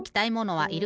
はい！